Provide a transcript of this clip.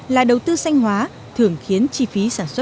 là đầu tư xanh hóa thường khiến chi phí sản xuất bền vững